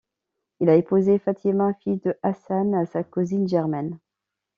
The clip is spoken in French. Il a épousé Fatima fille de Hasan, sa cousine germaine.